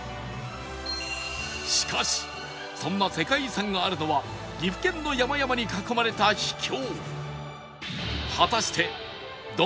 しかしそんな世界遺産があるのは岐阜県の山々に囲まれた秘境